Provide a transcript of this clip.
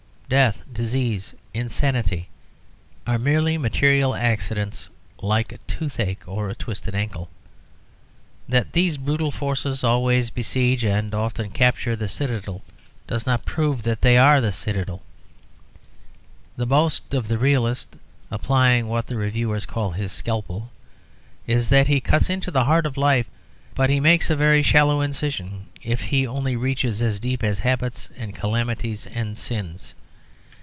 Death, disease, insanity, are merely material accidents, like toothache or a twisted ankle. That these brutal forces always besiege and often capture the citadel does not prove that they are the citadel. The boast of the realist (applying what the reviewers call his scalpel) is that he cuts into the heart of life; but he makes a very shallow incision, if he only reaches as deep as habits and calamities and sins.